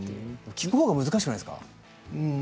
聞く方が難しくないですか？